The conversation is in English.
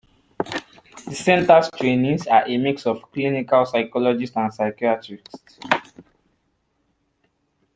The center's trainees are a mix of clinical psychologists and psychiatrists.